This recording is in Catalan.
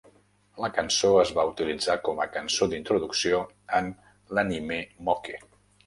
La cançó es va utilitzar com a cançó d'introducció en l'anime Mokke.